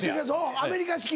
アメリカ式の。